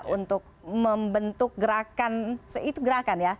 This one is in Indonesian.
untuk membentuk gerakan itu gerakan ya